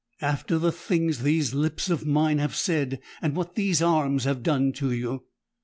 "After the things these lips of mine have said, and what these arms have done to you?"